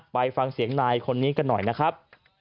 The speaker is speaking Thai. ไปฟังเสียงนายคนนี้กันหน่อยนะครับ